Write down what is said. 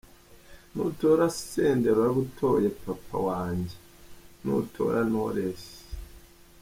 Nutora Senderi uraba utoye papa wanjye, nutora Knowless.